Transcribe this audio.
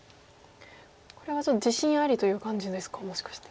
これはちょっと自信ありという感じですかもしかして。